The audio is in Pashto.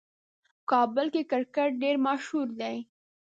کابل کې کرکټ ډېر مشهور دی.